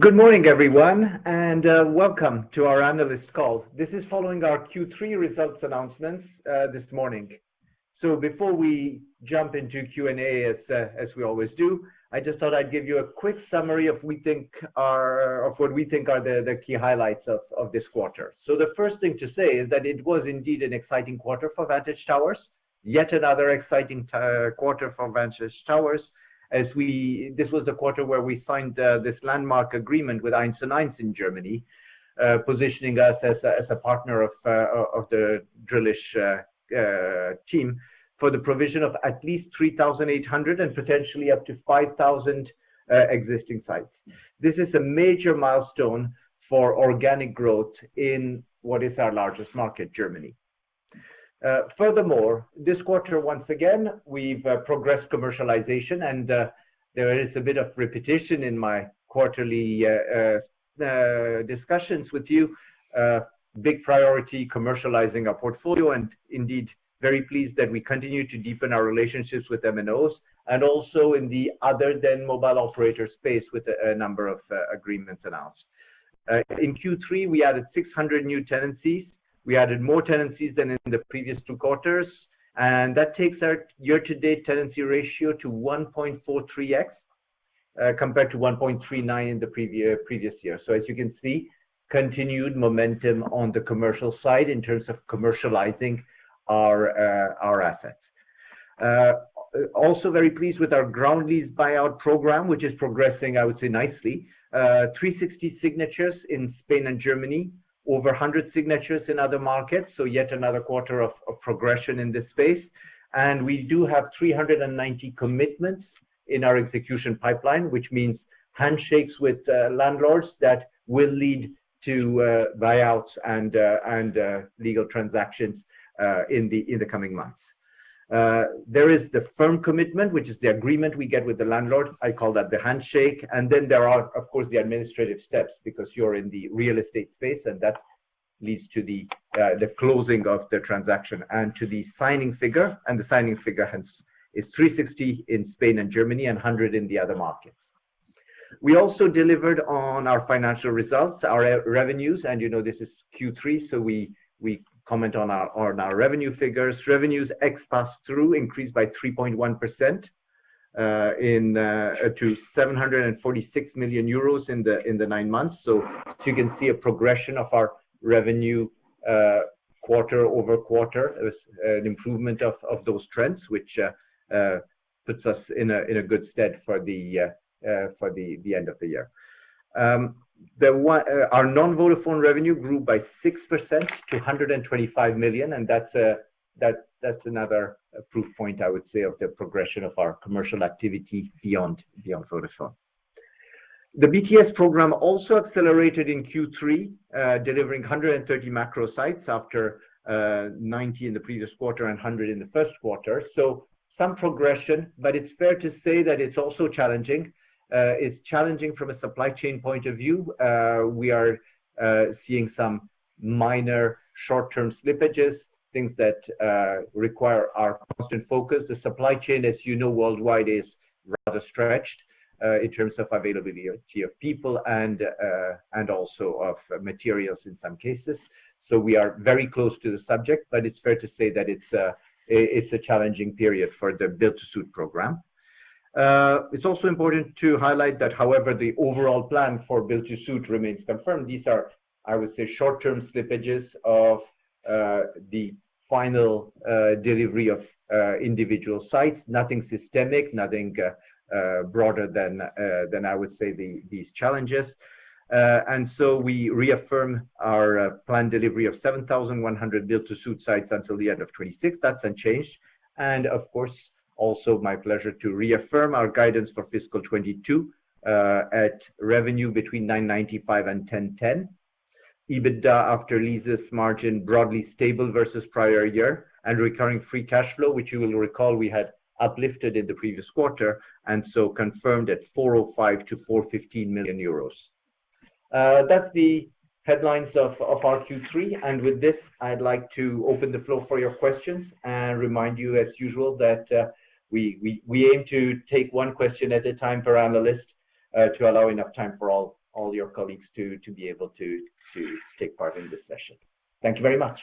Good morning, everyone, and welcome to our analyst call. This is following our Q3 results announcements this morning. Before we jump into Q&A as we always do, I just thought I'd give you a quick summary of what we think are the key highlights of this quarter. The first thing to say is that it was indeed an exciting quarter for Vantage Towers. Yet another exciting quarter for Vantage Towers. This was the quarter where we signed this landmark agreement with 1&1 in Germany, positioning us as a partner of the Drillisch team for the provision of at least 3,800 and potentially up to 5,000 existing sites. This is a major milestone for organic growth in what is our largest market, Germany. Furthermore, this quarter, once again, we've progressed commercialization and there is a bit of repetition in my quarterly discussions with you. Big priority, commercializing our portfolio, and indeed very pleased that we continue to deepen our relationships with MNOs and also in the other than mobile operator space with a number of agreements announced. In Q3, we added 600 new tenancies. We added more tenancies than in the previous two quarters, and that takes our year-to-date tenancy ratio to 1.43x, compared to 1.39 in the previous year. As you can see, continued momentum on the commercial side in terms of commercializing our assets. Also very pleased with our ground lease buyout program, which is progressing, I would say, nicely. 360 signatures in Spain and Germany. Over 100 signatures in other markets, so yet another quarter of progression in this space. We do have 390 commitments in our execution pipeline, which means handshakes with landlords that will lead to buyouts and legal transactions in the coming months. There is the firm commitment, which is the agreement we get with the landlord. I call that the handshake. Then there are, of course, the administrative steps because you're in the real estate space, and that leads to the closing of the transaction and to the signing figure. The signing figure hence is 360 in Spain and Germany and 100 in the other markets. We also delivered on our financial results, our revenues, and you know this is Q3, so we comment on our revenue figures. Revenues ex pass-through increased by 3.1% to 746 million euros in the nine months. So you can see a progression of our revenue QoQ. There was an improvement of those trends, which puts us in a good stead for the end of the year. Our non-Vodafone revenue grew by 6% to 125 million, and that's another proof point, I would say, of the progression of our commercial activity beyond Vodafone. The BTS program also accelerated in Q3, delivering 130 macro sites after 90 in the previous quarter and 100 in the first quarter. Some progression, it's fair to say that it's also challenging. It's challenging from a supply chain point of view. We are seeing some minor short-term slippages, things that require our constant focus. The supply chain, as you know, worldwide, is rather stretched in terms of availability of people and also of materials in some cases. We are very close to the subject, it's fair to say that it's a challenging period for the build-to-suit program. It's also important to highlight that however, the overall plan for build-to-suit remains confirmed. These are, I would say, short-term slippages of the final delivery of individual sites. Nothing systemic, nothing broader than I would say these challenges. We reaffirm our planned delivery of 7,100 build-to-suit sites until the end of 2026. That's unchanged. Of course, also my pleasure to reaffirm our guidance for fiscal 2022 at revenue between 995 million and 1,010 million. EBITDA after leases margin broadly stable versus prior year and recurring free cash flow, which you will recall we had uplifted in the previous quarter and so confirmed at 405 million-415 million euros. That's the headlines of our Q3. With this, I'd like to open the floor for your questions and remind you as usual that we aim to take one question at a time per analyst to allow enough time for all your colleagues to be able to take part in this session. Thank you very much.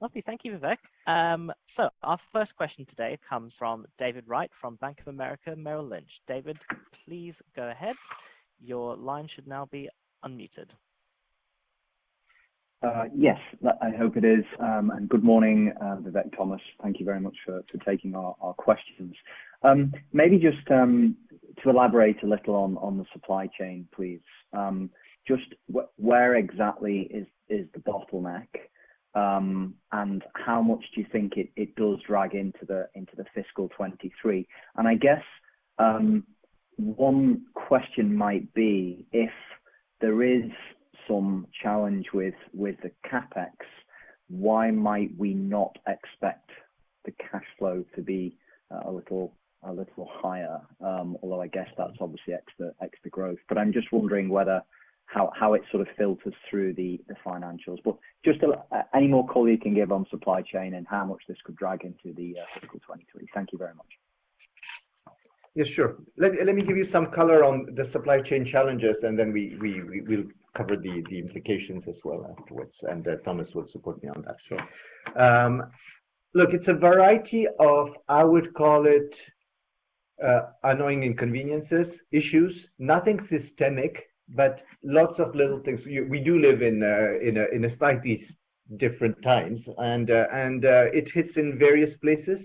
Lovely. Thank you, Vivek. Our first question today comes from David Wright from Bank of America Merrill Lynch. David, please go ahead. Your line should now be unmuted. Yes. I hope it is. Good morning, Vivek, Thomas. Thank you very much for taking our questions. Maybe just to elaborate a little on the supply chain, please. Just where exactly is the bottleneck? How much do you think it does drag into the fiscal 2023? I guess one question might be if there is some challenge with the CapEx, why might we not expect the cash flow to be a little higher? Although I guess that's obviously extra growth. I'm just wondering how it sort of filters through the financials. Just any more color you can give on supply chain and how much this could drag into the fiscal 2023. Thank you very much. Yeah, sure. Let me give you some color on the supply chain challenges, and then we will cover the implications as well afterwards, and Thomas will support me on that. Look, it's a variety of, I would call it, annoying inconveniences, issues. Nothing systemic, but lots of little things. We do live in a slightly different times and it hits in various places.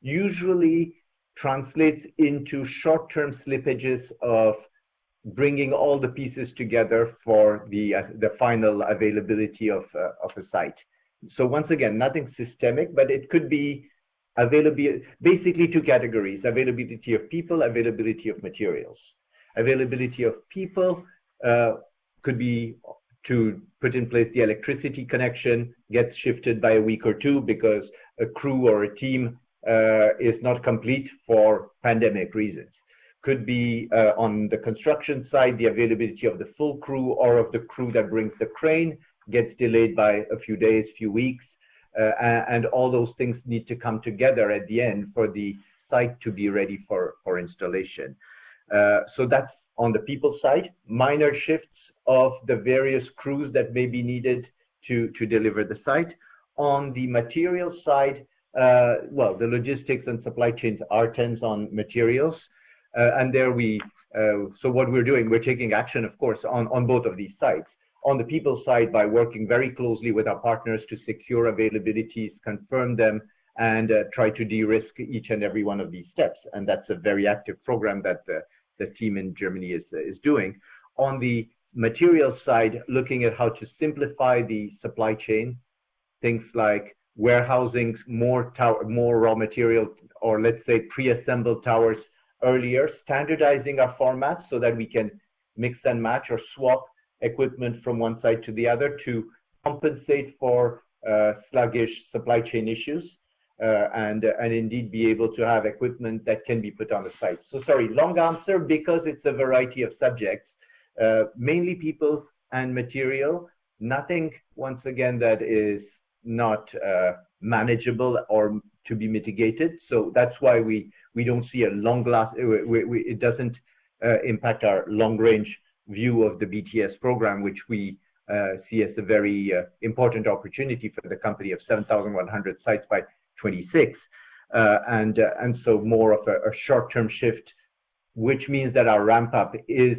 Usually translates into short-term slippages of bringing all the pieces together for the final availability of a site. Once again, nothing systemic, but it could be basically two categories, availability of people, availability of materials. Availability of people could be to put in place the electricity connection gets shifted by a week or two because a crew or a team is not complete for pandemic reasons. Could be on the construction side, the availability of the full crew or of the crew that brings the crane gets delayed by a few days, few weeks. All those things need to come together at the end for the site to be ready for installation. That's on the people side, minor shifts of the various crews that may be needed to deliver the site. On the material side, well, the logistics and supply chains are tense on materials. What we're doing, we're taking action, of course, on both of these sides. On the people side, by working very closely with our partners to secure availabilities, confirm them, and try to de-risk each and every one of these steps. That's a very active program that the team in Germany is doing. On the material side, looking at how to simplify the supply chain, things like warehousing more raw material or let's say preassembled towers earlier. Standardizing our formats so that we can mix and match or swap equipment from one site to the other to compensate for sluggish supply chain issues, and indeed be able to have equipment that can be put on the site. Sorry, long answer because it's a variety of subjects. Mainly people and material. Nothing, once again, that is not manageable or to be mitigated. That's why we don't see a long last. It doesn't impact our long-range view of the BTS program, which we see as a very important opportunity for the company of 7,100 sites by 2026. More of a short-term shift, which means that our ramp-up is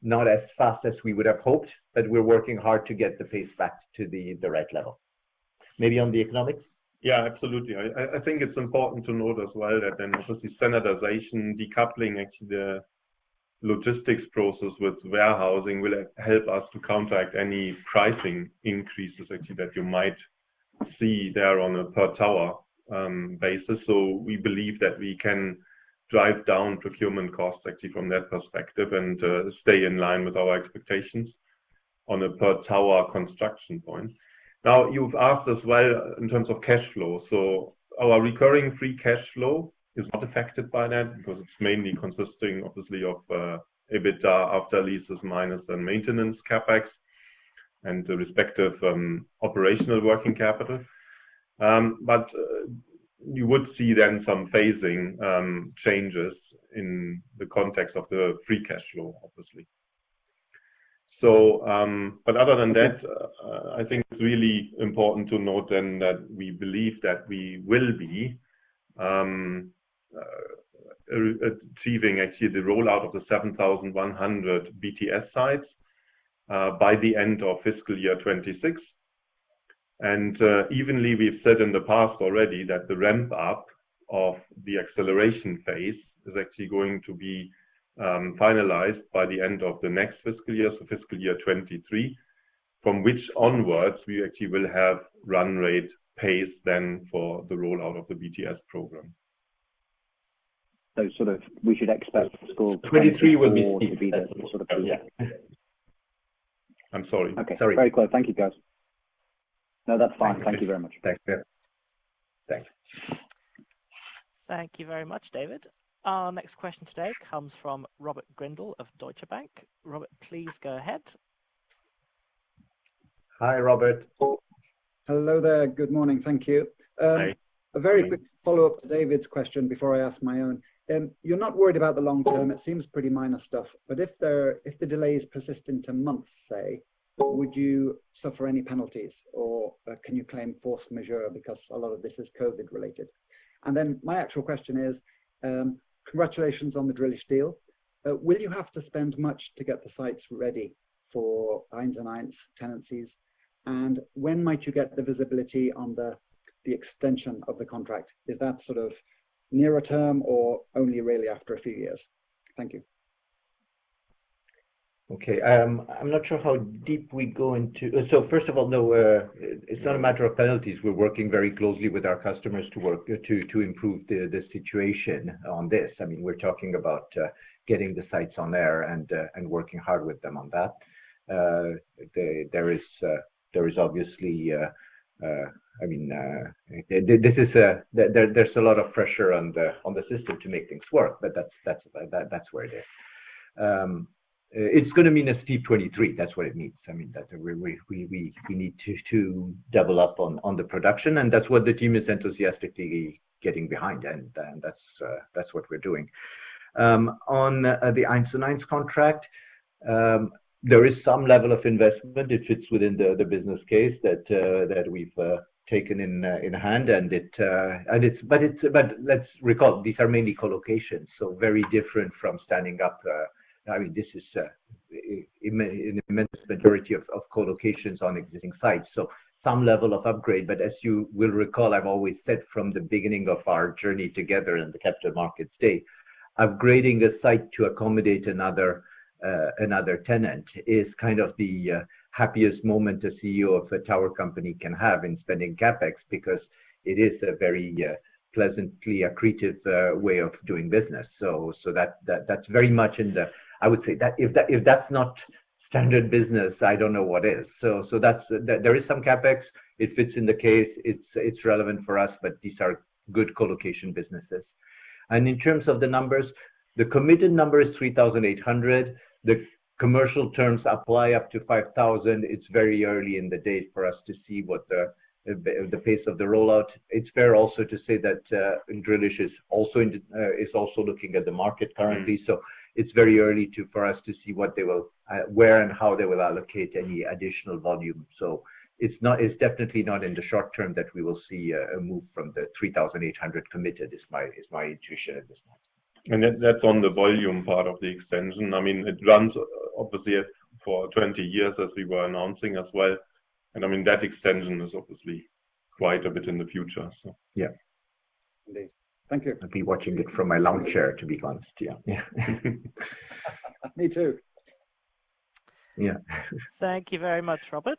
not as fast as we would have hoped, but we're working hard to get the pace back to the right level. Maybe on the economics. Yeah, absolutely. I think it's important to note as well that then obviously standardization, decoupling actually the logistics process with warehousing will help us to counteract any pricing increases actually that you might see there on a per tower basis. We believe that we can drive down procurement costs actually from that perspective and stay in line with our expectations on a per tower construction point. Now, you've asked as well in terms of cash flow. Our recurring free cash flow is not affected by that because it's mainly consisting obviously of EBITDA after leases minus the maintenance CapEx and the respective operational working capital. You would see then some phasing changes in the context of the free cash flow, obviously. Other than that, I think it's really important to note then that we believe that we will be achieving actually the rollout of the 7,100 BTS sites by the end of fiscal year 2026. Indeed, we've said in the past already that the ramp-up of the acceleration phase is actually going to be finalized by the end of the next fiscal year, so fiscal year 2023. From which onwards, we actually will have run rate pace then for the rollout of the BTS program. We should expect score. 23 will be. -to be the sort of- Yeah. I'm sorry. Okay. Sorry. Very clear. Thank you, guys. No, that's fine. Thank you very much. Thanks. Thanks. Thank you very much, David. Our next question today comes from Robert Grindle of Deutsche Bank. Robert, please go ahead. Hi, Robert. Hello there. Good morning. Thank you. Hi. A very quick follow-up to David's question before I ask my own. You're not worried about the long term? It seems pretty minor stuff, but if the delay is persistent two months, say, would you suffer any penalties, or can you claim force majeure because a lot of this is COVID-related? My actual question is, congratulations on the Drillisch deal. Will you have to spend much to get the sites ready for United Internet tenancies? When might you get the visibility on the extension of the contract? Is that sort of nearer term or only really after a few years? Thank you. I'm not sure how deep we go into. First of all, no, it's not a matter of penalties. We're working very closely with our customers to improve the situation on this. I mean, we're talking about getting the sites on air and working hard with them on that. There is obviously a lot of pressure on the system to make things work, but that's where it is. It's gonna mean a steep 23. That's what it means. I mean, that we need to double up on the production, and that's what the team is enthusiastically getting behind. That's what we're doing. On the 1&1 contract, there is some level of investment. It fits within the business case that we've taken in hand. It's mainly co-locations, so very different from standing up. I mean, this is an immense majority of co-locations on existing sites. So some level of upgrade. As you will recall, I've always said from the beginning of our journey together in the capital markets, upgrading a site to accommodate another tenant is kind of the happiest moment a CEO of a tower company can have in spending CapEx. Because it is a very pleasantly accretive way of doing business. That's very much in the, I would say that if that's not standard business, I don't know what is. There is some CapEx. It fits in the case. It's relevant for us, but these are good co-location businesses. In terms of the numbers, the committed number is 3,800. The commercial terms apply up to 5,000. It's very early in the day for us to see what the pace of the rollout. It's fair also to say that 1&1 is also looking at the market currently. It's very early for us to see where and how they will allocate any additional volume. It's not, it's definitely not in the short term that we will see a move from the 3,800 committed. Is my intuition at this point. That's on the volume part of the extension. I mean, it runs obviously for 20 years as we were announcing as well. I mean, that extension is obviously quite a bit in the future, so. Yeah. Indeed. Thank you. I'll be watching it from my lounge chair, to be honest. Yeah. Me too. Yeah. Thank you very much, Robert.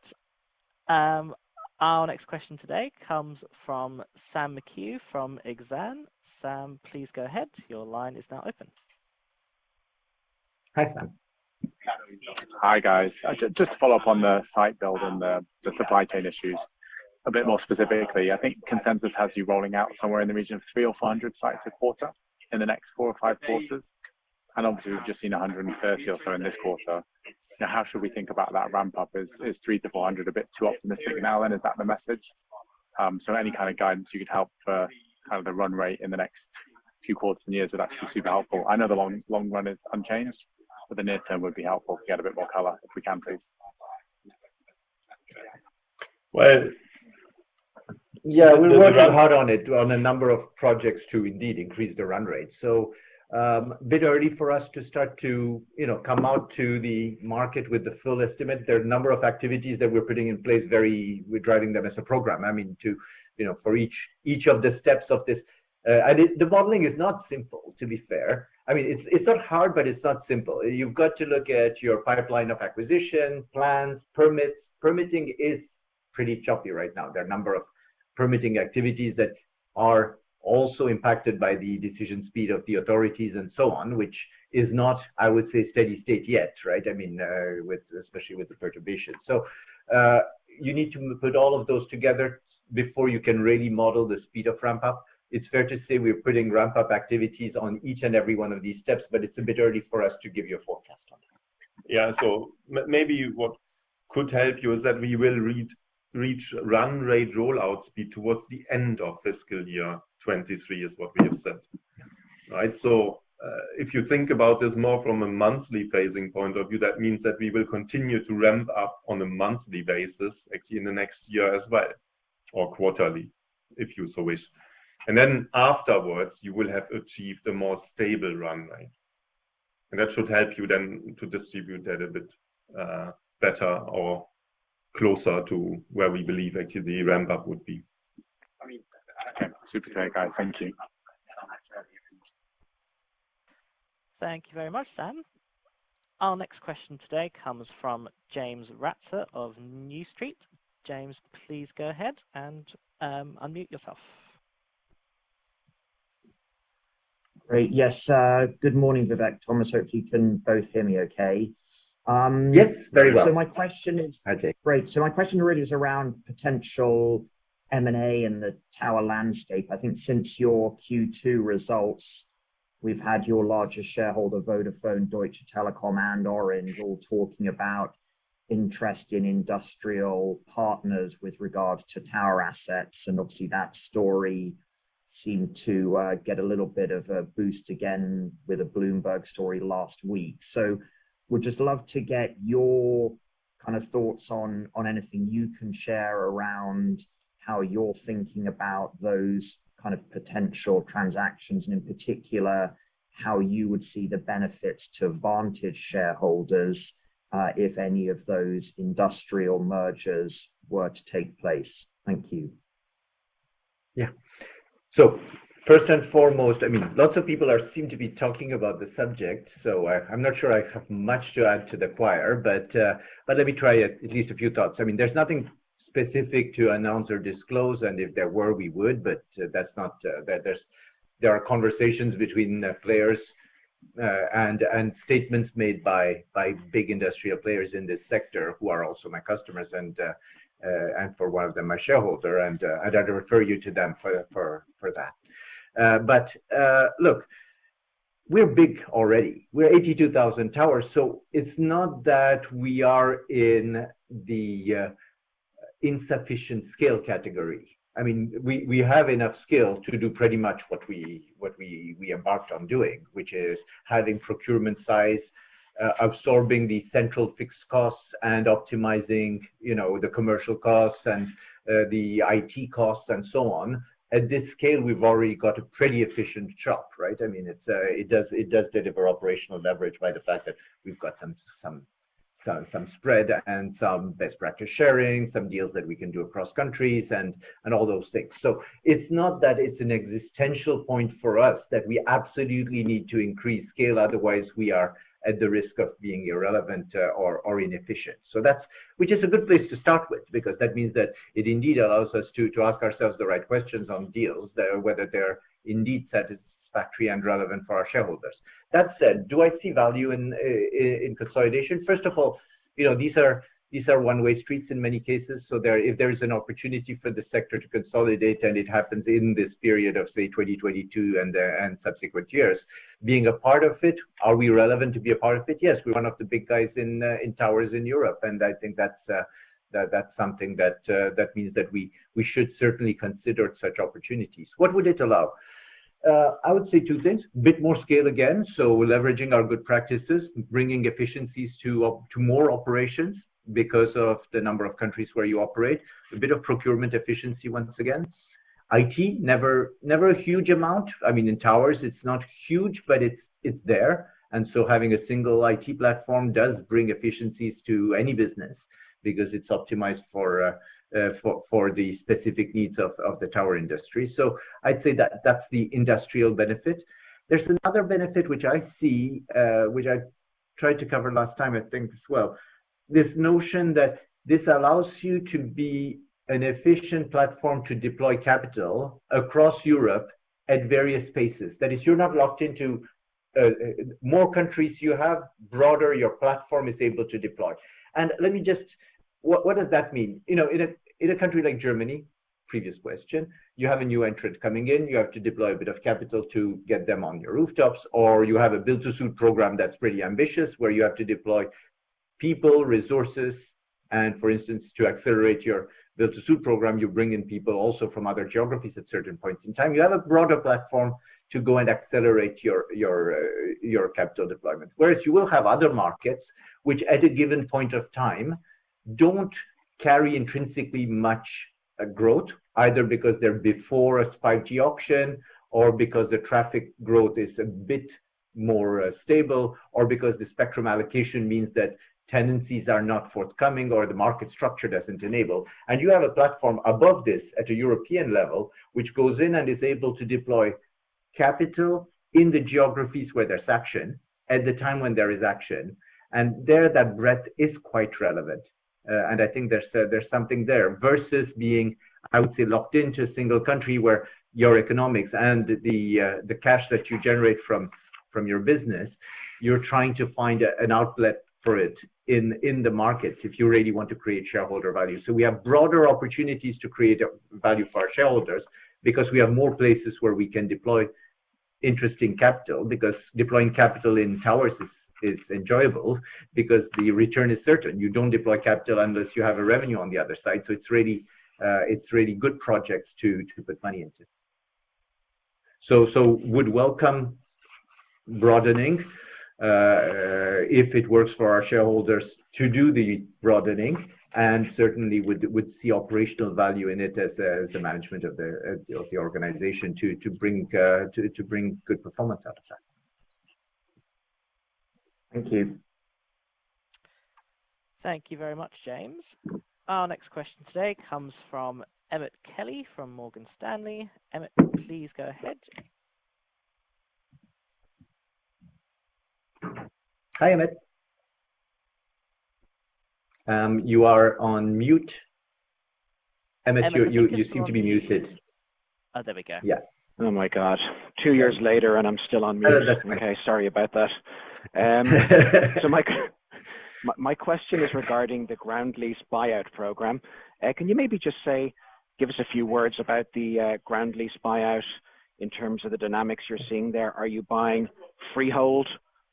Our next question today comes from Sam McHugh from Exane. Sam, please go ahead. Your line is now open. Hi, Sam. Hi, guys. Just to follow up on the site build and the supply chain issues. A bit more specifically, I think consensus has you rolling out somewhere in the region of 300 or 400 sites a quarter in the next four or five quarters. Obviously, we've just seen 130 or so in this quarter. Now, how should we think about that ramp up? Is 300-400 a bit too optimistic now, and is that the message? Any kind of guidance you could help for kind of the run rate in the next few quarters and years would actually be super helpful. I know the long, long run is unchanged, but the near term would be helpful to get a bit more color if we can, please. Well- Yeah, we're working hard on it, on a number of projects to indeed increase the run rate. A bit early for us to start to, you know, come out to the market with the full estimate. There are a number of activities that we're putting in place. We're driving them as a program. I mean, to, you know, for each of the steps of this. The modeling is not simple, to be fair. I mean, it's not hard, but it's not simple. You've got to look at your pipeline of acquisition plans, permits. Permitting is pretty choppy right now. There are a number of permitting activities that are also impacted by the decision speed of the authorities and so on, which is not, I would say, steady-state yet, right? I mean, with, especially with the perturbation. You need to put all of those together before you can really model the speed of ramp up. It's fair to say we're putting ramp-up activities on each and every one of these steps, but it's a bit early for us to give you a forecast on that. Yeah. Maybe what could help you is that we will reach run rate rollout speed toward the end of fiscal year 2023 is what we have said. Yeah. Right? If you think about this more from a monthly phasing point of view, that means that we will continue to ramp up on a monthly basis, actually, in the next year as well, or quarterly, if you so wish. Then afterwards, you will have achieved a more stable run rate. That should help you then to distribute that a bit, better or closer to where we believe actually the ramp up would be. Okay. Super clear, guys. Thank you. Thank you very much, Sam. Our next question today comes from James Ratzer of New Street. James, please go ahead and unmute yourself. Great. Yes. Good morning, Vivek, Thomas. Hope you can both hear me okay. Yes, very well. My question is- Okay. Great. So my question really is around potential M&A in the tower landscape. I think since your Q2 results, we've had your largest shareholder, Vodafone, Deutsche Telekom, and Orange, all talking about interest in industrial partners with regards to tower assets. Obviously, that story seemed to get a little bit of a boost again with a Bloomberg story last week. Would just love to get your, kind of, thoughts on anything you can share around how you're thinking about those kind of potential transactions, and in particular, how you would see the benefits to Vantage shareholders, if any of those industrial mergers were to take place. Thank you. Yeah. First and foremost, I mean, lots of people seem to be talking about the subject, so I'm not sure I have much to add to the choir. Let me try at least a few thoughts. I mean, there's nothing specific to announce or disclose, and if there were, we would. That's not. There are conversations between players, and statements made by big industrial players in this sector who are also my customers, and for one of them, my shareholder. I'd rather refer you to them for that. Look. We're big already. We're 82,000 towers, so it's not that we are in the insufficient scale category. I mean, we have enough scale to do pretty much what we embarked on doing, which is having procurement size, absorbing the central fixed costs and optimizing, you know, the commercial costs and, the IT costs and so on. At this scale, we've already got a pretty efficient shop, right? I mean, it does deliver operational leverage by the fact that we've got some spread and some best practice sharing, some deals that we can do across countries and all those things. It's not that it's an existential point for us that we absolutely need to increase scale, otherwise we are at the risk of being irrelevant or inefficient. That's which is a good place to start with because that means that it indeed allows us to ask ourselves the right questions on deals, whether they're indeed satisfactory and relevant for our shareholders. That said, do I see value in consolidation? First of all, these are one-way streets in many cases. If there is an opportunity for the sector to consolidate and it happens in this period of, say, 2022 and subsequent years, being a part of it, are we relevant to be a part of it? Yes. We're one of the big guys in towers in Europe, and I think that's something that means that we should certainly consider such opportunities. What would it allow? I would say two things. Bit more scale again, so leveraging our good practices, bringing efficiencies to more operations because of the number of countries where you operate. A bit of procurement efficiency once again. IT, never a huge amount. I mean, in towers, it's not huge, but it's there. Having a single IT platform does bring efficiencies to any business because it's optimized for the specific needs of the tower industry. So I'd say that's the industrial benefit. There's another benefit which I see, which I tried to cover last time, I think as well. This notion that this allows you to be an efficient platform to deploy capital across Europe at various paces. That is, you're not locked into. More countries you have, broader your platform is able to deploy. Let me just. What does that mean? You know, in a country like Germany, previous question, you have a new entrant coming in. You have to deploy a bit of capital to get them on your rooftops, or you have a build-to-suit program that's pretty ambitious, where you have to deploy people, resources. For instance, to accelerate your build-to-suit program, you bring in people also from other geographies at certain points in time. You have a broader platform to go and accelerate your capital deployment. Whereas you will have other markets which at a given point of time don't carry intrinsically much growth, either because they're before a 5G auction or because the traffic growth is a bit more stable or because the spectrum allocation means that tenancies are not forthcoming or the market structure doesn't enable. You have a platform above this at a European level, which goes in and is able to deploy capital in the geographies where there's action at the time when there is action. There, that breadth is quite relevant. I think there's something there versus being, I would say, locked into a single country where your economics and the cash that you generate from your business, you're trying to find an outlet for it in the markets if you really want to create shareholder value. We have broader opportunities to create value for our shareholders because we have more places where we can deploy interesting capital because deploying capital in towers is enjoyable because the return is certain. You don't deploy capital unless you have a revenue on the other side. It's really good projects to put money into. Would welcome broadening if it works for our shareholders to do the broadening and certainly would see operational value in it as the management of the organization to bring good performance out of that. Thank you. Thank you very much, James. Our next question today comes from Emmet Kelly from Morgan Stanley. Emmet, please go ahead. Hi, Emmet. You are on mute. Emmet, you seem to be muted. Oh, there we go. Yeah. Oh my gosh. Two years later and I'm still on mute. Oh, no. Okay, sorry about that. So my question is regarding the ground lease buyout program. Can you maybe just say, give us a few words about the ground lease buyout in terms of the dynamics you're seeing there. Are you buying freehold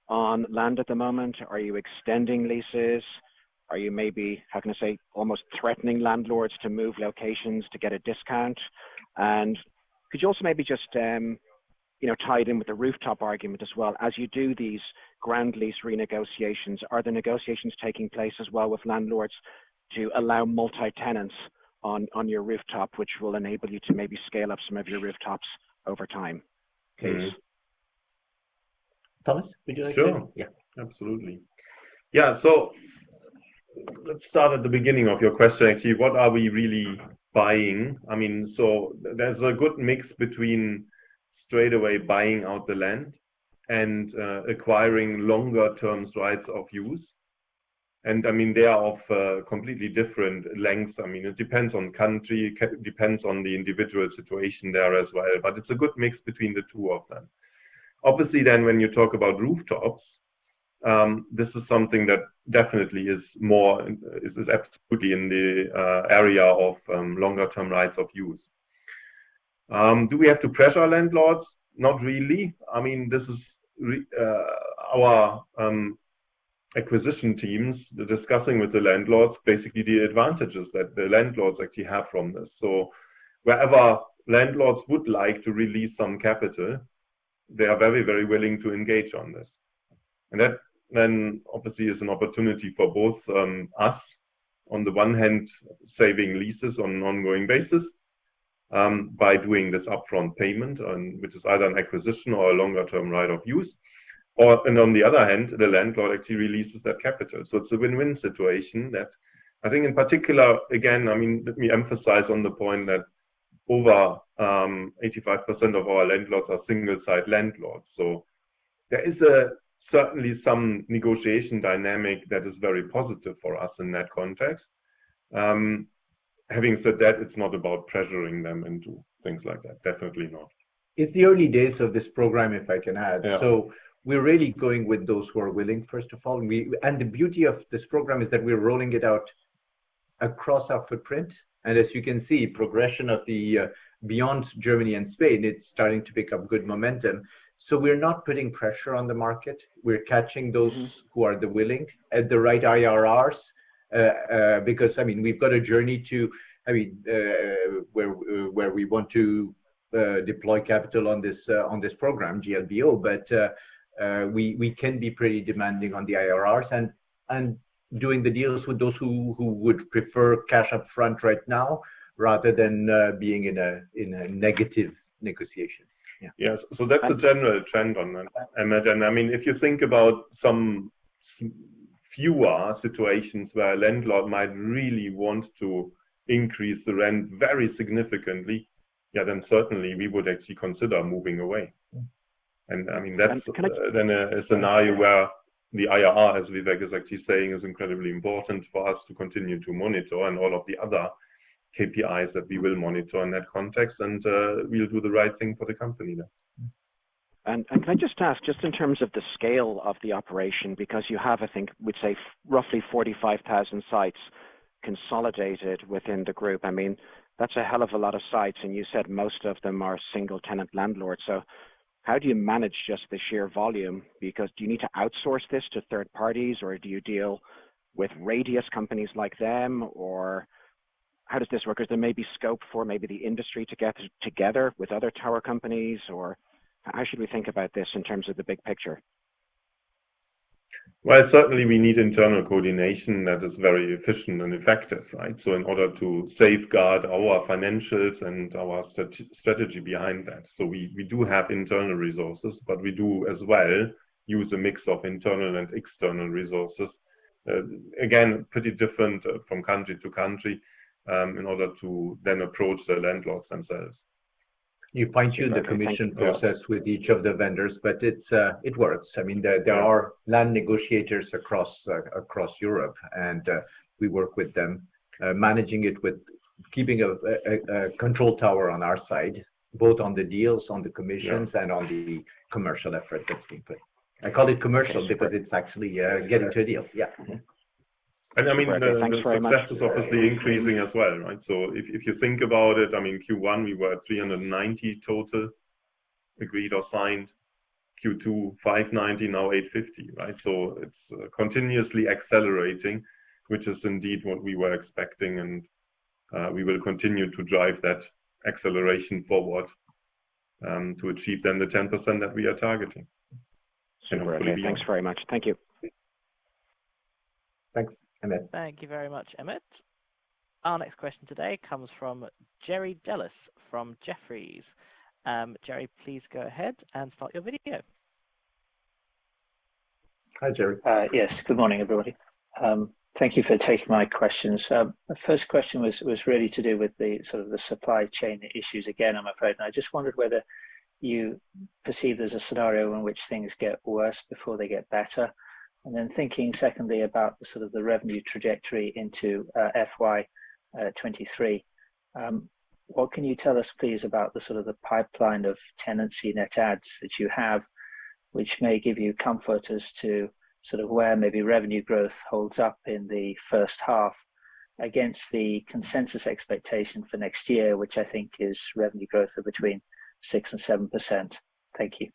on land at the moment? Are you extending leases? Are you maybe, how can I say, almost threatening landlords to move locations to get a discount? And could you also maybe just, you know, tie it in with the rooftop argument as well. As you do these ground lease renegotiations, are the negotiations taking place as well with landlords to allow multi-tenants on your rooftop, which will enable you to maybe scale up some of your rooftops over time? Mm-hmm. Thomas, would you like to? Sure. Yeah. Absolutely. Yeah. Let's start at the beginning of your question, actually. What are we really buying? I mean, there's a good mix between straightaway buying out the land and acquiring longer term rights of use. I mean, they are of completely different lengths. I mean, it depends on country. It depends on the individual situation there as well. It's a good mix between the two of them. Obviously, when you talk about rooftops, this is something that definitely is more absolutely in the area of longer term rights of use. Do we have to pressure landlords? Not really. I mean, this is our acquisition teams. They're discussing with the landlords basically the advantages that the landlords actually have from this. Wherever landlords would like to release some capital, they are very, very willing to engage on this. That then obviously is an opportunity for both, us on the one hand, saving leases on an ongoing basis, by doing this upfront payment, which is either an acquisition or a longer term right of use. And on the other hand, the landlord actually releases that capital. It's a win-win situation that I think in particular, again, I mean, let me emphasize on the point that over 85% of our landlords are single-site landlords. There is certainly some negotiation dynamic that is very positive for us in that context. Having said that, it's not about pressuring them into things like that. Definitely not. It's the early days of this program, if I can add. Yeah. We are really going with those who are willing, first of all. The beauty of this program is that we are rolling it out across our footprint, and as you can see, the progression beyond Germany and Spain is starting to pick up good momentum. We are not putting pressure on the market. We are catching those- Mm-hmm. Who are the willing at the right IRRs, because I mean, we've got a journey to where we want to deploy capital on this program, GLBO. But we can be pretty demanding on the IRRs and doing the deals with those who would prefer cash up front right now, rather than being in a negative negotiation. Yeah. Yes. That's the general trend on that, Emmet. I mean, if you think about some fewer situations where a landlord might really want to increase the rent very significantly, yeah. Certainly we would actually consider moving away. Mm-hmm. I mean, that's. Can I just- a scenario where the IRR, as Vivek is actually saying, is incredibly important for us to continue to monitor and all of the other KPIs that we will monitor in that context. We'll do the right thing for the company then. Mm-hmm. Can I just ask, just in terms of the scale of the operation, because you have, I think, we'd say roughly 45,000 sites consolidated within the group. I mean, that's a hell of a lot of sites, and you said most of them are single tenant landlords. How do you manage just the sheer volume? Because do you need to outsource this to third parties, or do you deal with various companies like them? How does this work? Is there maybe scope for maybe the industry to get together with other tower companies, or how should we think about this in terms of the big picture? Well, certainly we need internal coordination that is very efficient and effective, right, in order to safeguard our financials and our strategy behind that. We do have internal resources, but we do as well use a mix of internal and external resources, again pretty different from country to country, in order to then approach the landlords themselves. You fine-tune the commission process with each of the vendors, but it works. I mean, there are land negotiators across Europe and we work with them, managing it with keeping a control tower on our side, both on the deals, on the commissions. Yeah. On the commercial effort that's being put. I call it commercial because it's actually getting to a deal. Yeah. I mean. Thanks very much. Success is obviously increasing as well, right? If you think about it, I mean, Q1 we were at 390 total agreed or signed. Q2, 590, now 850, right? It's continuously accelerating, which is indeed what we were expecting and we will continue to drive that acceleration forward to achieve then the 10% that we are targeting. Thanks very much. Thank you. Thanks, Emmet. Thank you very much, Emmet. Our next question today comes from Jerry Dellis from Jefferies. Jerry, please go ahead and start your video. Hi, Jerry. Yes. Good morning, everybody. Thank you for taking my questions. The first question was really to do with the sort of the supply chain issues again, I'm afraid. I just wondered whether you perceive there's a scenario in which things get worse before they get better. Thinking secondly about the sort of the revenue trajectory into FY 2023. What can you tell us, please, about the sort of the pipeline of tenancy net adds that you have, which may give you comfort as to sort of where maybe revenue growth holds up in the first half against the consensus expectation for next year, which I think is revenue growth of between 6%-7%. Thank you.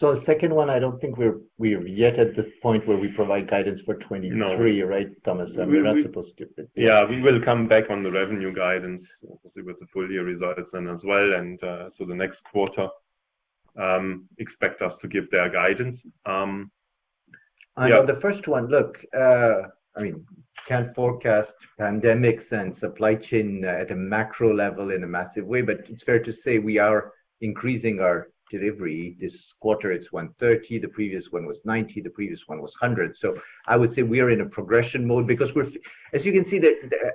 The second one, I don't think we're yet at this point where we provide guidance for 23. No. Right, Thomas? We're not supposed to. Yeah. We will come back on the revenue guidance, obviously with the full year results then as well. In the next quarter, expect us to give that guidance. Yeah. On the first one, look, I mean, can't forecast pandemics and supply chain at a macro level in a massive way, but it's fair to say we are increasing our delivery. This quarter, it's 130. The previous one was 90, the previous one was 100. I would say we are in a progression mode because we're as you can see,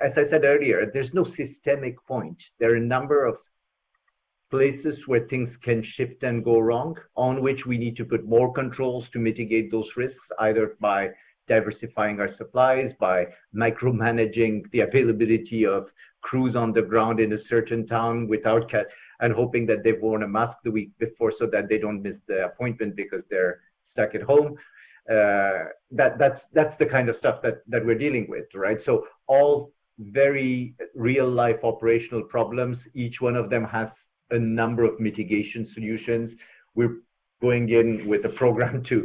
as I said earlier, there's no systemic point. There are a number of places where things can shift and go wrong, on which we need to put more controls to mitigate those risks, either by diversifying our supplies, by micromanaging the availability of crews on the ground in a certain town and hoping that they've worn a mask the week before so that they don't miss their appointment because they're stuck at home. That's the kind of stuff that we're dealing with, right? All very real-life operational problems. Each one of them has a number of mitigation solutions. We're going in with a program to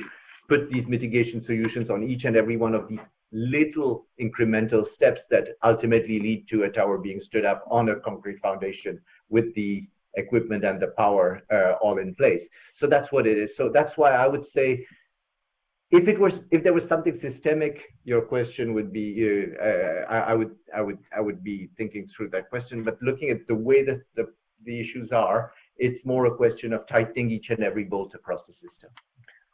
put these mitigation solutions on each and every one of these little incremental steps that ultimately lead to a tower being stood up on a concrete foundation with the equipment and the power, all in place. That's what it is. That's why I would say if it was, if there was something systemic, your question would be, I would be thinking through that question. But looking at the way the issues are, it's more a question of tightening each and every bolt across the system.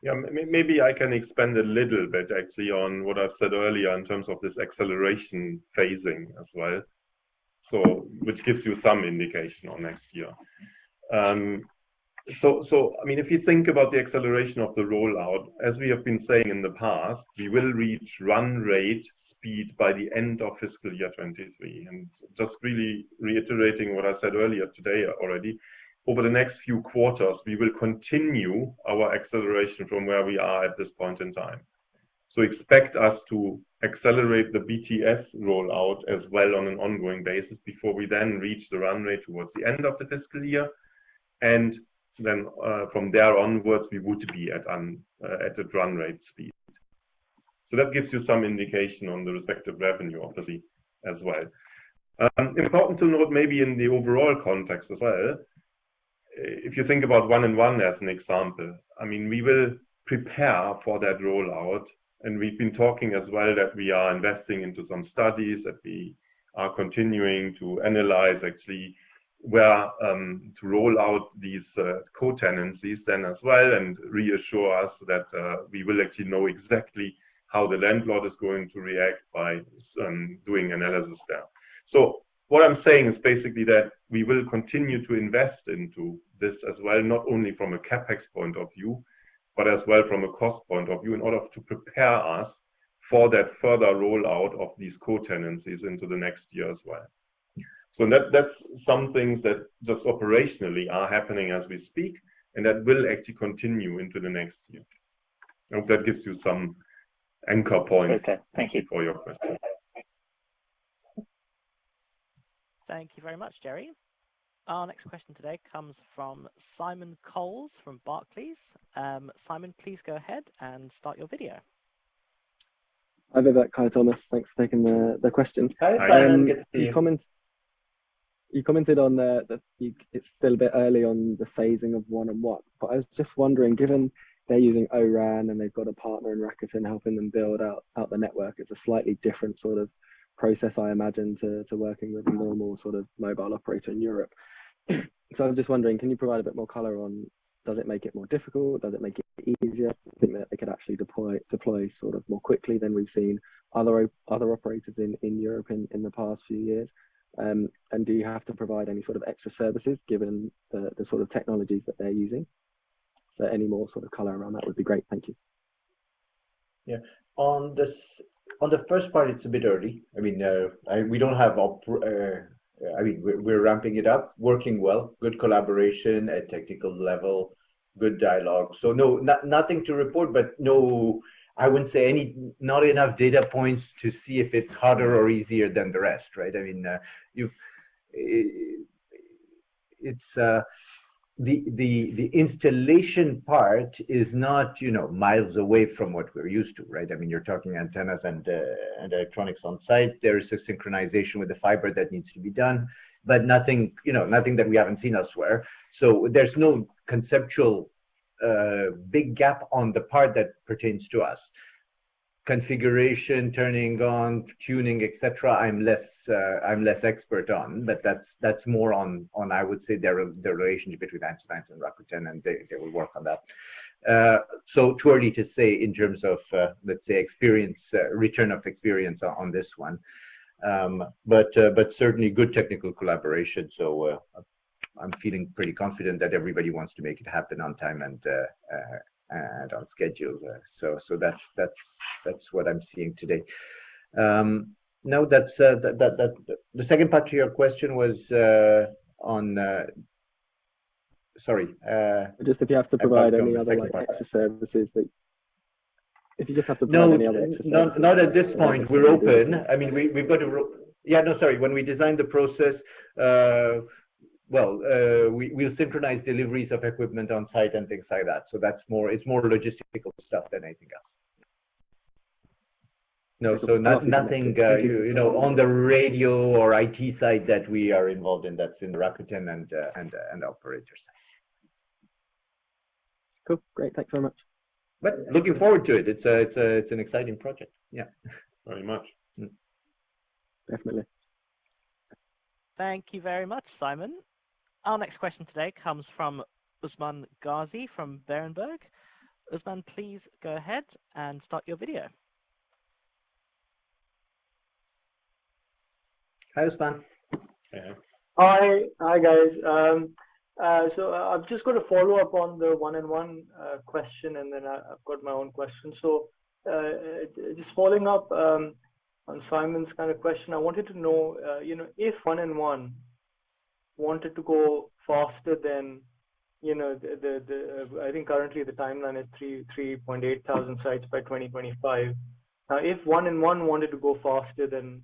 Yeah. Maybe I can expand a little bit actually on what I said earlier in terms of this acceleration phasing as well, which gives you some indication on next year. I mean, if you think about the acceleration of the rollout, as we have been saying in the past, we will reach run rate speed by the end of fiscal year 2023. Just really reiterating what I said earlier today already, over the next few quarters, we will continue our acceleration from where we are at this point in time. Expect us to accelerate the BTS rollout as well on an ongoing basis before we then reach the run rate towards the end of the fiscal year. From there onwards, we would be at a run rate speed. That gives you some indication on the respective revenue obviously as well. Important to note, maybe in the overall context as well, if you think about 1&1 as an example, I mean, we will prepare for that rollout, and we've been talking as well that we are investing into some studies that we are continuing to analyze actually where to roll out these co-tenancies then as well, and reassure us that we will actually know exactly how the landlord is going to react by doing analysis there. What I'm saying is basically that we will continue to invest into this as well, not only from a CapEx point of view, but as well from a cost point of view in order to prepare us for that further rollout of these co-tenancies into the next year as well. That's something that just operationally are happening as we speak, and that will actually continue into the next year. I hope that gives you some anchor points. Okay. Thank you. Thank you for your question. Thank you very much, Jerry. Our next question today comes from Simon Coles from Barclays. Simon, please go ahead and start your video. Hi, Vivek. Hi, Thomas. Thanks for taking the question. Hi, Simon. Hi. Good to see you. You commented on it. It's still a bit early on the phasing of 1&1, but I was just wondering, given they're using O-RAN and they've got a partner in Rakuten helping them build out the network, it's a slightly different sort of process, I imagine, to working with a normal sort of mobile operator in Europe. I'm just wondering, can you provide a bit more color on does it make it more difficult? Does it make it easier? Something that they could actually deploy sort of more quickly than we've seen other operators in Europe in the past few years. Do you have to provide any sort of extra services given the sort of technologies that they're using? Any more sort of color around that would be great. Thank you. On the first part, it's a bit early. I mean, we're ramping it up, working well, good collaboration at technical level, good dialogue. No. Nothing to report, but no, I wouldn't say not enough data points to see if it's harder or easier than the rest, right? I mean, the installation part is not, you know, miles away from what we're used to, right? I mean, you're talking antennas and electronics on site. There is a synchronization with the fiber that needs to be done, but nothing, you know, nothing that we haven't seen elsewhere. There's no conceptual big gap on the part that pertains to us. Configuration, turning on, tuning, et cetera, I'm less expert on, but that's more on, I would say, their relationship between 1&1 and Rakuten, and they will work on that. Too early to say in terms of, let's say, experience, return of experience on this one. Certainly good technical collaboration. I'm feeling pretty confident that everybody wants to make it happen on time and on schedule. That's what I'm seeing today. Now that the second part to your question was on. Sorry. Just if you have to provide any other- I forgot the second part. If you just have to provide any other extra services. No. Not at this point. We're open. I mean, we've got to. Yeah, no. Sorry. When we design the process, we'll synchronize deliveries of equipment on site and things like that, so that's more, it's more logistical stuff than anything else. No. So nothing, you know, on the radio or IT side that we are involved in. That's in Rakuten and operators. Cool. Great. Thanks very much. Looking forward to it. It's an exciting project. Yeah. Very much. Definitely. Thank you very much, Simon. Our next question today comes from Usman Ghazi from Berenberg. Usman, please go ahead and start your video. Hi, Usman. Hey. Hi. Hi, guys. I'm just gonna follow up on the 1&1 question, and then I've got my own question. Just following up on Simon's kind of question. I wanted to know if 1&1 wanted to go faster than I think currently the timeline is 3,800 sites by 2025. Now, if 1&1 wanted to go faster than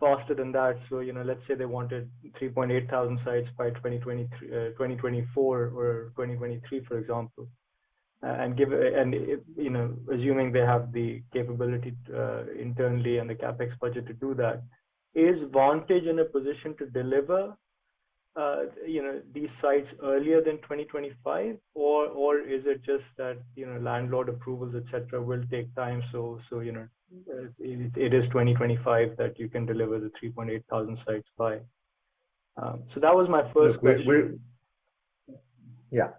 that, let's say they wanted 3,800 sites by 2024 or 2023, for example, and give a... You know, assuming they have the capability internally and the CapEx budget to do that, is Vantage in a position to deliver you know these sites earlier than 2025 or is it just that you know landlord approvals et cetera will take time, so you know it is 2025 that you can deliver the 3,800 sites by? So that was my first question. Look, we're Yeah.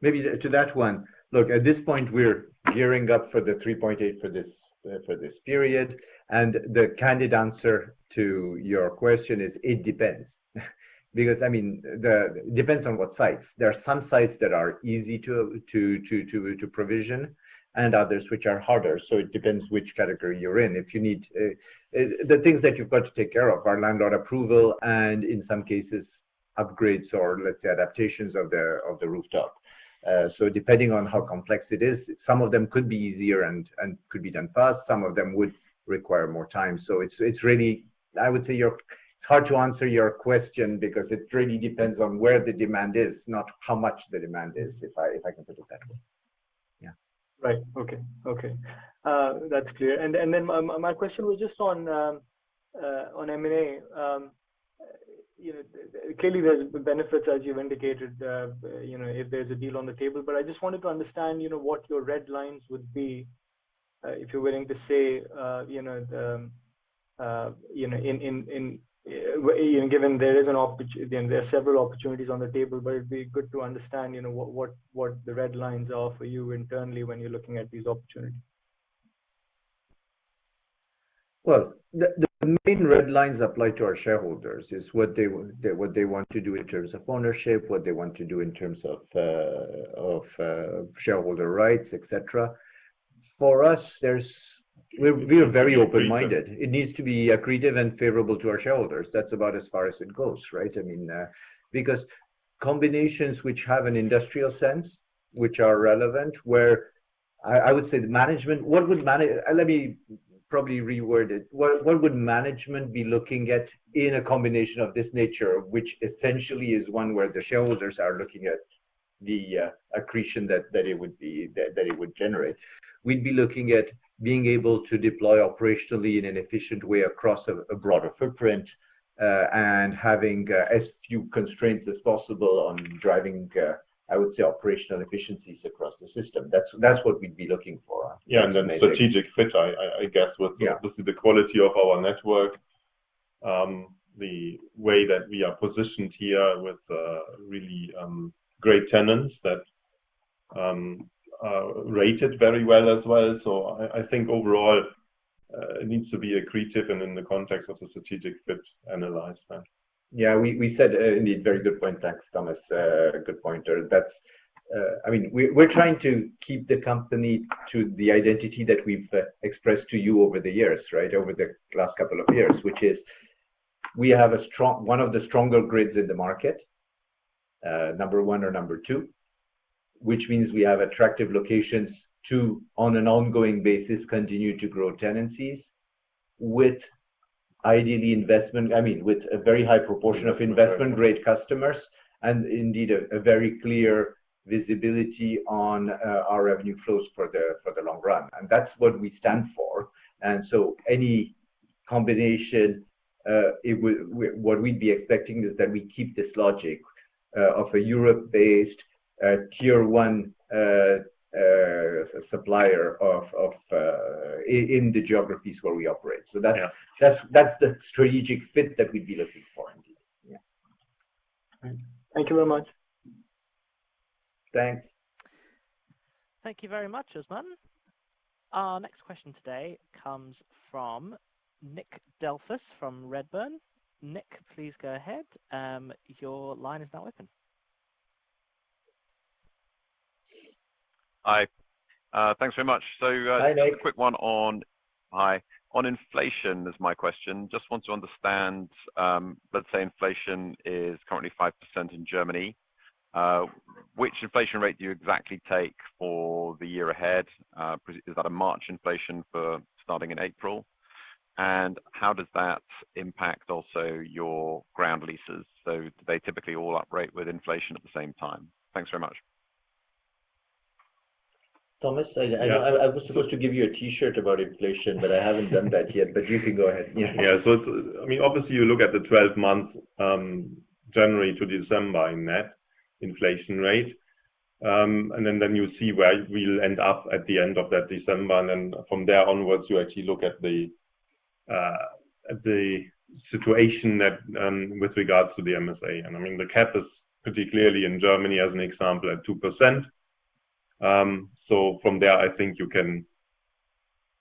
Maybe to that one. Look, at this point, we're gearing up for the 3.8 for this period. The candid answer to your question is it depends. It depends on what sites. There are some sites that are easy to provision and others which are harder. It depends which category you're in. If you need the things that you've got to take care of are landlord approval and, in some cases, upgrades or, let's say, adaptations of the rooftop. Depending on how complex it is, some of them could be easier and could be done fast, some of them would require more time. It's really. I would say your. It's hard to answer your question because it really depends on where the demand is, not how much the demand is, if I can put it that way. Yeah. That's clear. My question was just on M&A. You know, clearly there's benefits, as you've indicated, you know, if there's a deal on the table. I just wanted to understand, you know, what your red lines would be, if you're willing to say, you know, Given there are several opportunities on the table, it'd be good to understand, you know, what the red lines are for you internally when you're looking at these opportunities. Well, the main red lines apply to our shareholders, is what they want to do in terms of ownership, what they want to do in terms of shareholder rights, et cetera. For us, there's. We're very open-minded. Accretive. It needs to be accretive and favorable to our shareholders. That's about as far as it goes, right? I mean, because combinations which have an industrial sense, which are relevant, where I would say the management. Let me probably reword it. What would management be looking at in a combination of this nature, which essentially is one where the shareholders are looking at the accretion that it would generate? We'd be looking at being able to deploy operationally in an efficient way across a broader footprint, and having as few constraints as possible on driving, I would say, operational efficiencies across the system. That's what we'd be looking for. Yeah. In this situation. Strategic fit, I guess, with- Yeah. With the quality of our network, the way that we are positioned here with really great tenants that are rated very well as well. I think overall it needs to be accretive and in the context of a strategic fit analyzed then. Yeah. We said. Indeed, very good point. Thanks, Thomas. Good point. That's. I mean, we're trying to keep the company to the identity that we've expressed to you over the years, right? Over the last couple of years. Which is we have a strong one of the stronger grids in the market, number one or number two, which means we have attractive locations to, on an ongoing basis, continue to grow tenancies with a very high proportion of investment-grade customers, and indeed a very clear visibility on our revenue flows for the long run. That's what we stand for. Any combination, what we'd be expecting is that we keep this logic of a Europe-based Tier 1 supplier of in the geographies where we operate. Yeah. That's the strategic fit that we'd be looking for, indeed. Yeah. All right. Thank you very much. Thanks. Thank you very much, Usman. Our next question today comes from Nick Delfas from Redburn. Nick, please go ahead. Your line is now open. Hi. Thanks very much. Hi, Nick. Hi. On inflation is my question. Just want to understand, let's say inflation is currently 5% in Germany. Which inflation rate do you exactly take for the year ahead? Is that a March inflation for starting in April? How does that impact also your ground leases? Do they typically all uprate with inflation at the same time? Thanks very much. Thomas? Yeah. I was supposed to give you a T-shirt about inflation, but I haven't done that yet. You can go ahead. Yeah. It's, I mean, obviously you look at the 12-month January to December net inflation rate. You see where we'll end up at the end of that December. From there onwards, you actually look at the situation that with regards to the MSA. I mean, the cap is pretty clearly in Germany, as an example, at 2%. From there, I think you can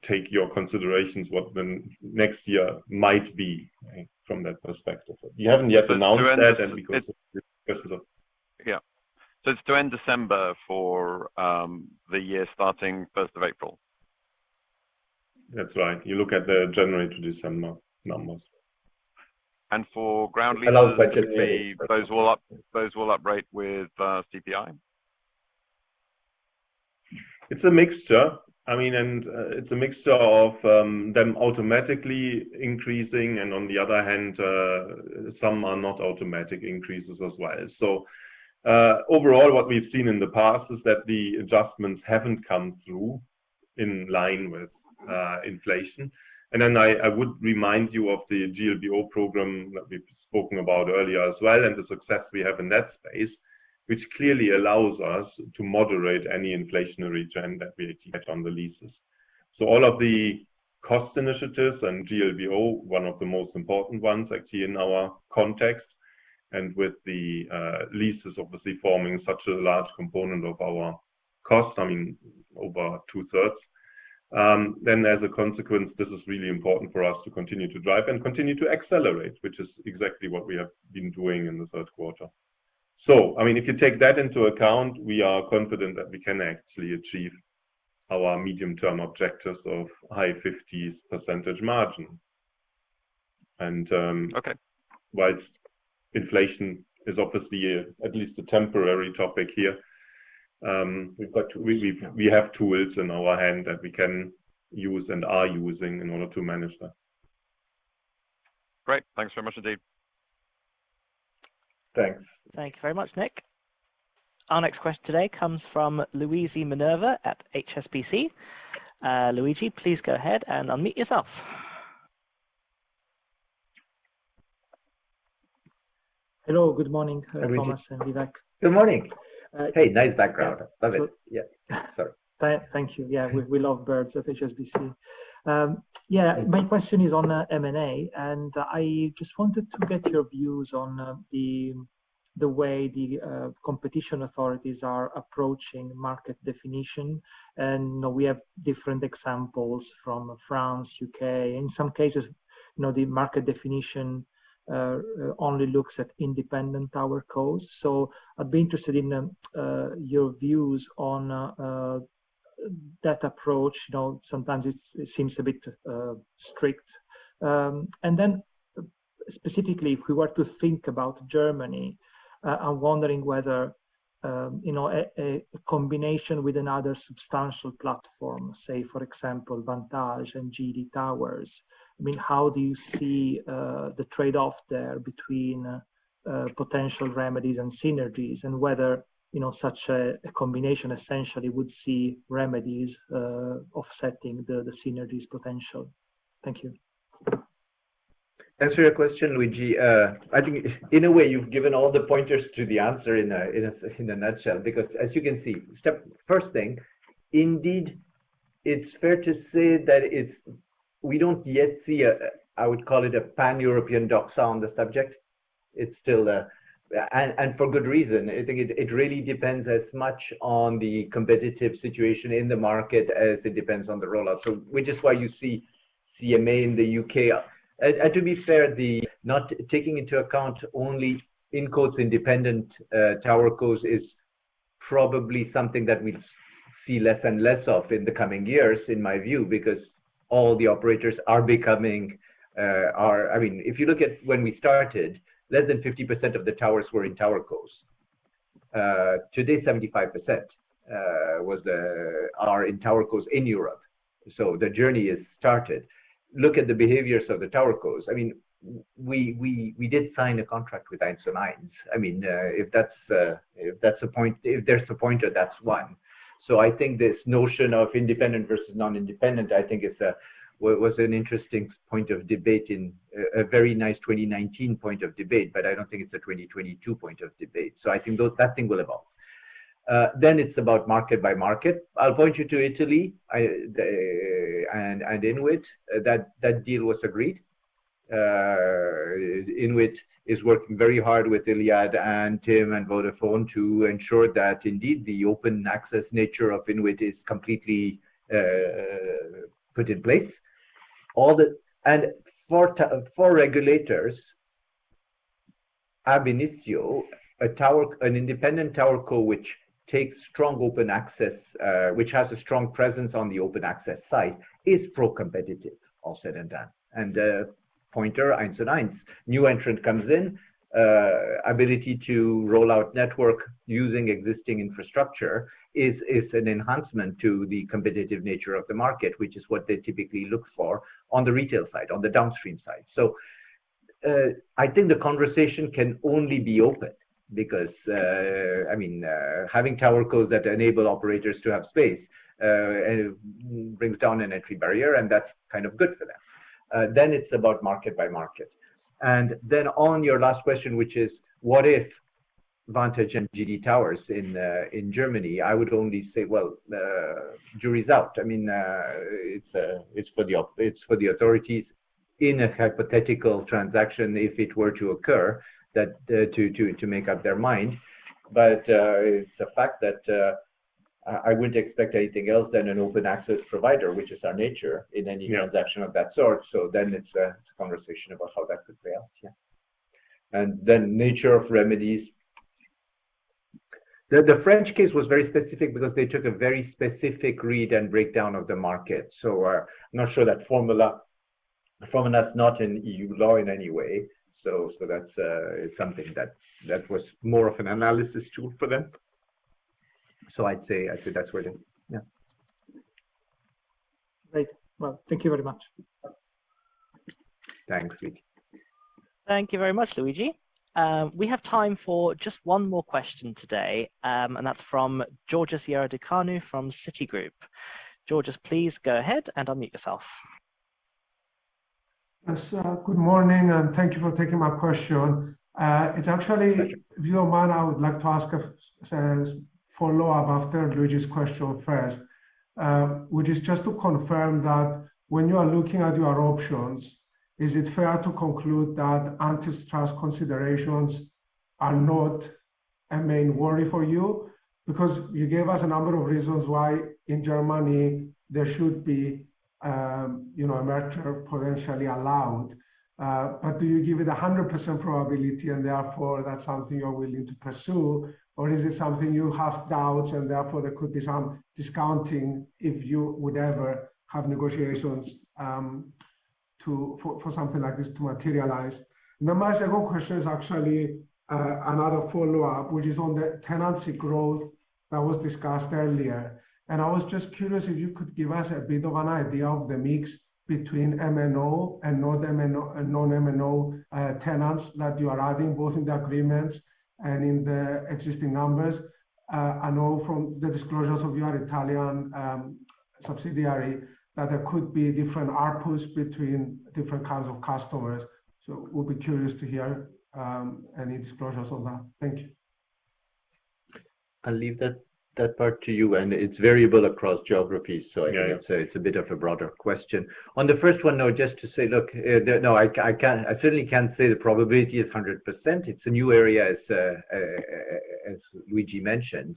take your considerations what the next year might be, right, from that perspective. We haven't yet announced that. Yeah. It's to end December for the year starting first of April. That's right. You look at the January to December numbers. For ground leases. Allowed by Germany.... those will uprate with CPI? It's a mixture. I mean, it's a mixture of them automatically increasing and on the other hand, some are not automatic increases as well. Overall, what we've seen in the past is that the adjustments haven't come through in line with inflation. Then I would remind you of the GLBO program that we've spoken about earlier as well, and the success we have in that space, which clearly allows us to moderate any inflationary trend that we expect on the leases. All of the cost initiatives and GLBO, one of the most important ones actually in our context, and with the leases obviously forming such a large component of our cost, I mean, over 2/3, then as a consequence, this is really important for us to continue to drive and continue to accelerate, which is exactly what we have been doing in the third quarter. I mean, if you take that into account, we are confident that we can actually achieve our medium-term objectives of high 50s% margin. Okay... while inflation is obviously, at least a temporary topic here. Yeah. We have tools in our hand that we can use and are using in order to manage that. Great. Thanks very much, indeed. Thanks. Thank you very much, Nick. Our next question today comes from Luigi Minerva at HSBC. Luigi, please go ahead and unmute yourself. Hello, good morning, Thomas and Vivek. Good morning. Hey, nice background. Love it. Yeah. Sorry. Thank you. Yeah. We love birds at HSBC. My question is on M&A, and I just wanted to get your views on the way the competition authorities are approaching market definition. We have different examples from France, U.K. In some cases, you know, the market definition only looks at independent TowerCo. So I'd be interested in your views on that approach. You know, sometimes it seems a bit strict. Then specifically, if we were to think about Germany, I'm wondering whether, you know, a combination with another substantial platform, say, for example, Vantage and GD Towers. I mean, how do you see the trade-off there between potential remedies and synergies and whether, you know, such a combination essentially would see remedies offsetting the synergies potential? Thank you. To answer your question, Luigi, I think in a way you've given all the pointers to the answer in a nutshell. Because as you can see, first thing, indeed, it's fair to say that it's we don't yet see a, I would call it a pan-European doxa on the subject. It's still, and for good reason. I think it really depends as much on the competitive situation in the market as it depends on the rollout. So which is why you see CMA in the U.K. And to be fair, the not taking into account only independent tower cos is probably something that we see less and less of in the coming years, in my view, because all the operators are becoming, are... I mean, if you look at when we started, less than 50% of the towers were in TowerCo. Today, 75% are in TowerCo in Europe. The journey is started. Look at the behaviors of the TowerCo. I mean, we did sign a contract with 1&1. I mean, if that's a point, if there's a point, that's one. I think this notion of independent versus non-independent, I think it was an interesting point of debate in a very nice 2019 point of debate, but I don't think it's a 2022 point of debate. I think those tenants will evolve. It's about market by market. I'll point you to Italy, Iliad and INWIT. That deal was agreed. INWIT is working very hard with Iliad and TIM and Vodafone to ensure that indeed the open access nature of INWIT is completely put in place. For regulators, ab initio, a tower, an independent TowerCo which takes strong open access, which has a strong presence on the open access side, is pro-competitive, all said and done. 1&1, new entrant comes in, ability to roll out network using existing infrastructure is an enhancement to the competitive nature of the market, which is what they typically look for on the retail side, on the downstream side. I think the conversation can only be open because, I mean, having TowerCos that enable operators to have space brings down an entry barrier, and that's kind of good for them. It's about market by market. On your last question, which is what if Vantage and GD Towers in Germany, I would only say, the result. It's for the authorities in a hypothetical transaction, if it were to occur, to make up their mind. It's a fact that I wouldn't expect anything else than an open access provider, which is our nature, in any transaction of that sort. It's a conversation about how that could fail. Yeah. The nature of remedies. The French case was very specific because they took a very specific read and breakdown of the market. I'm not sure that formula. A formula is not in EU law in any way. That's something that was more of an analysis tool for them. I'd say that's where the. Yeah. Great. Well, thank you very much. Thanks, Luigi. Thank you very much, Luigi. We have time for just one more question today, and that's from Georgios Ierodiaconou from Citigroup. Georgios, please go ahead and unmute yourself. Yes. Good morning, and thank you for taking my question. It's actually, if you don't mind, I would like to ask a follow-up after Luigi's question first. Which is just to confirm that when you are looking at your options, is it fair to conclude that antitrust considerations are not a main worry for you? Because you gave us a number of reasons why in Germany there should be, you know, a merger potentially allowed. But do you give it 100% probability, and therefore that's something you're willing to pursue? Or is it something you have doubts, and therefore there could be some discounting if you would ever have negotiations for something like this to materialize? My second question is actually another follow-up, which is on the tenancy growth that was discussed earlier. I was just curious if you could give us a bit of an idea of the mix between MNO and non-MNO tenants that you are adding, both in the agreements and in the existing numbers. I know from the disclosures of your Italian subsidiary that there could be different ARPUs between different kinds of customers. We'll be curious to hear any disclosures on that. Thank you. I'll leave that part to you. It's variable across geographies, so I can say it's a bit of a broader question. On the first one, though, just to say, look, I certainly can't say the probability is 100%. It's a new area, as Luigi mentioned.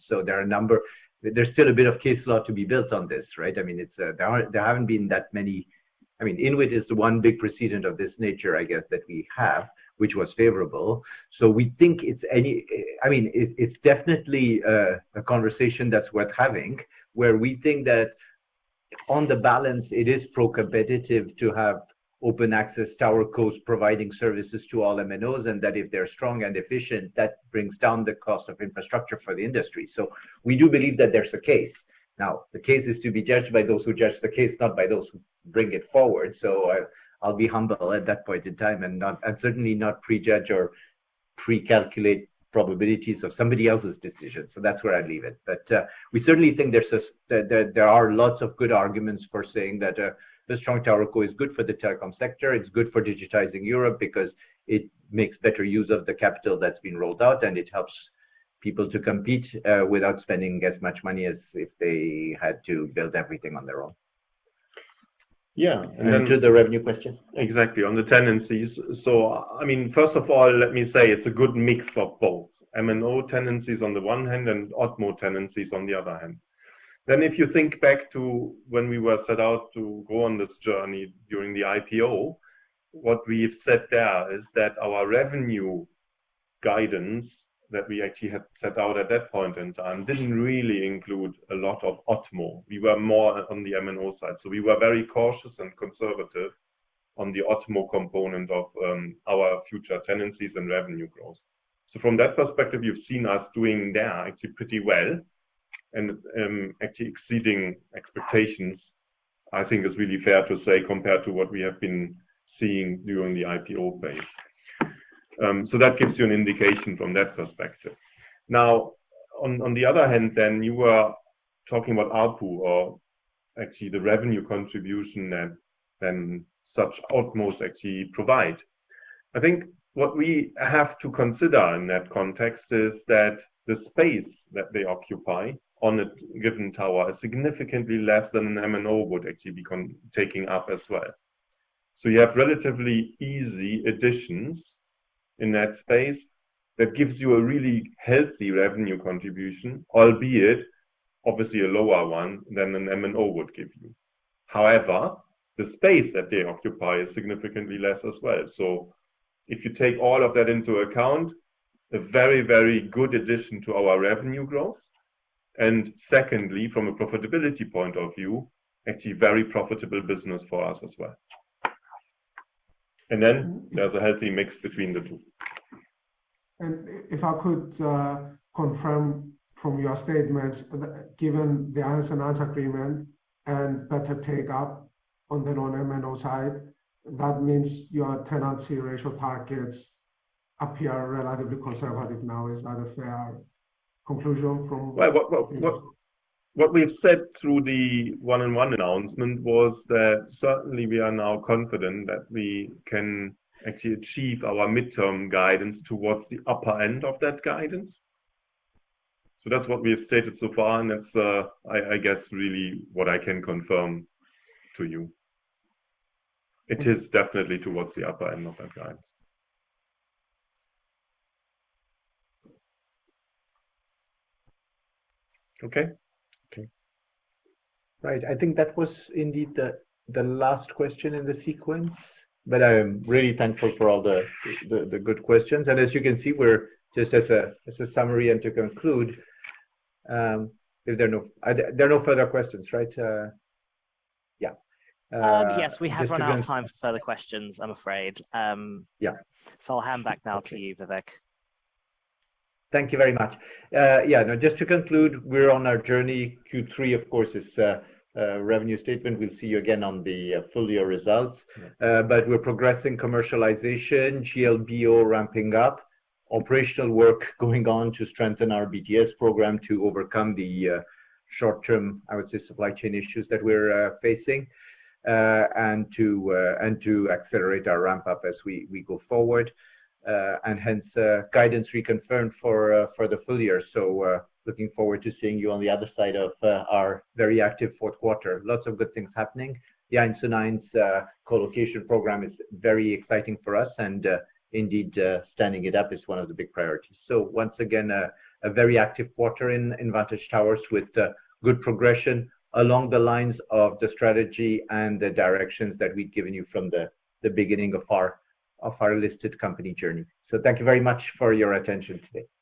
There's still a bit of case law to be built on this, right? I mean, there haven't been that many. I mean, INWIT is the one big precedent of this nature, I guess, that we have, which was favorable. We think it's any... I mean, it's definitely a conversation that's worth having, where we think that on the balance it is pro-competitive to have open access TowerCos providing services to all MNOs, and that if they're strong and efficient, that brings down the cost of infrastructure for the industry. We do believe that there's a case. Now, the case is to be judged by those who judge the case, not by those who bring it forward. I'll be humble at that point in time and certainly not prejudge or pre-calculate probabilities of somebody else's decision. That's where I leave it. We certainly think there are lots of good arguments for saying that the strong TowerCo is good for the telecom sector. It's good for digitizing Europe because it makes better use of the capital that's been rolled out, and it helps people to compete without spending as much money as if they had to build everything on their own. Yeah. To the revenue question. Exactly. On the tenancies. I mean, first of all, let me say it's a good mix of both. MNO tenancy is on the one hand, and OTMO tenancy is on the other hand. If you think back to when we were set out to go on this journey during the IPO, what we've said there is that our revenue guidance that we actually had set out at that point in time didn't really include a lot of OTMO. We were more on the MNO side. We were very cautious and conservative on the OTMO component of our future tenancies and revenue growth. From that perspective, you've seen us doing there actually pretty well, and actually exceeding expectations, I think is really fair to say, compared to what we have been seeing during the IPO phase. That gives you an indication from that perspective. Now, on the other hand, you were talking about ARPU or actually the revenue contribution that then such OTMOs actually provide. I think what we have to consider in that context is that the space that they occupy on a given tower is significantly less than an MNO would actually be taking up as well. You have relatively easy additions in that space that gives you a really healthy revenue contribution, albeit obviously a lower one than an MNO would give you. However, the space that they occupy is significantly less as well. If you take all of that into account, a very, very good addition to our revenue growth, and secondly, from a profitability point of view, actually very profitable business for us as well. Then there's a healthy mix between the two. If I could confirm from your statements, given the 1&1 agreement and better take-up on the non-MNO side, that means your tenancy ratio targets appear relatively conservative now. Is that a fair conclusion from? Well, what we've said through the 1&1 announcement was that certainly we are now confident that we can actually achieve our midterm guidance towards the upper end of that guidance. So that's what we have stated so far, and that's, I guess really what I can confirm to you. It is definitely towards the upper end of that guidance. Okay? Okay. Right. I think that was indeed the last question in the sequence. I am really thankful for all the good questions. As you can see, we're just as a summary and to conclude, if there are no further questions, right? Yeah. Yes. We have run out of time for further questions, I'm afraid. Yeah. I'll hand back now to you, Vivek. Thank you very much. No, just to conclude, we're on our journey. Q3, of course, is a revenue statement. We'll see you again on the full year results. We're progressing commercialization, GLBO ramping up, operational work going on to strengthen our BTS program to overcome the short-term, I would say, supply chain issues that we're facing. And to accelerate our ramp-up as we go forward. And hence, guidance reconfirmed for the full year. Looking forward to seeing you on the other side of our very active fourth quarter. Lots of good things happening. The 1&1 co-location program is very exciting for us, and indeed, standing it up is one of the big priorities. Once again, a very active quarter in Vantage Towers, with good progression along the lines of the strategy and the directions that we've given you from the beginning of our listed company journey. Thank you very much for your attention today.